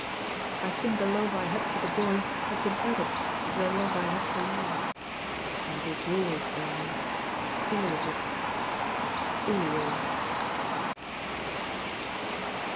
I think the love I had for the boy has been added to the love I had for you, and it is yours, darling, all of it, always."